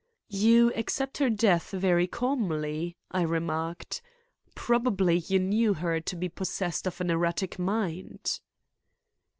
"You accept her death very calmly," I remarked. "Probably you knew her to be possessed of an erratic mind."